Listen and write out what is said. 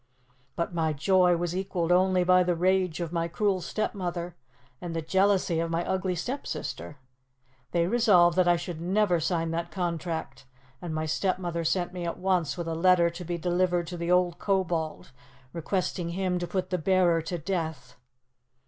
But my joy was equalled only by the rage of my cruel stepmother and the jealousy of my ugly stepsister. They resolved that I should never sign that contract, and my stepmother sent me at once with a letter to be delivered to the old Kobold, requesting him to put the bearer to death.